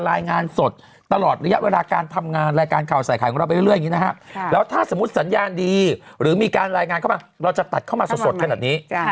รายงานสดตลอดระยะเวลาการทำงานรายการข่าวใส่ไข่ของเราไปเรื่อยอย่างนี้นะฮะแล้วถ้าสมมุติสัญญาณดีหรือมีการรายงานเข้ามาเราจะตัดเข้ามาสดขนาดนี้